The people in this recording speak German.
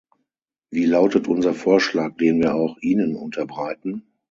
Wie lautet unser Vorschlag, den wir auch Ihnen unterbreiten?